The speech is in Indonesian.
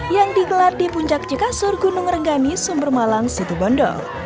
yang digelar di puncak cikasur gunung renggani sumber malang situbondo